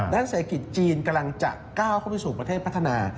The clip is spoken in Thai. เศรษฐกิจจีนกำลังจะก้าวเข้าไปสู่ประเทศพัฒนา